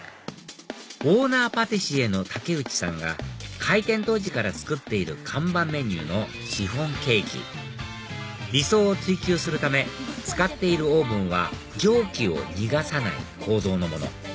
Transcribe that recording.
オーナーパティシエの竹内さんが開店当時から作っている看板メニューのシフォンケーキ理想を追求するため使っているオーブンは蒸気を逃がさない構造のもの